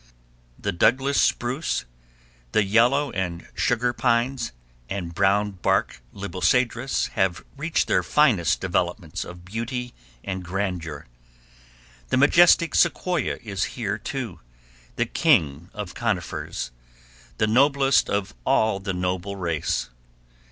The Douglas spruce, the yellow and sugar pines and brown barked Libocedrus here reach their finest developments of beauty and grandeur. The majestic Sequoia is here, too, the king of conifers, the noblest of all the noble race.